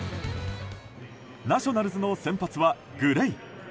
ナショナルズの先発は、グレイ。